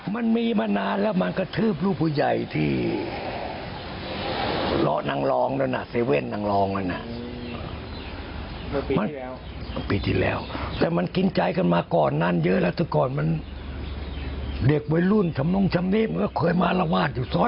ขายอย่างนี้แหละ